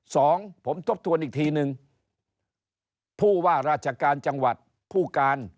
สองผมทบทวนอีกทีนึงผู้ว่าราชการจังหวัดผู้การ